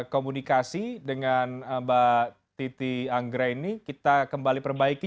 komunikasi dengan mbak titi anggra ini kita kembali perbaiki